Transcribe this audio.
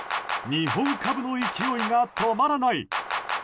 日本株の勢いが止まらない。